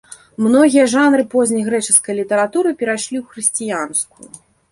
Многія жанры позняй грэчаскай літаратуры перайшлі ў хрысціянскую.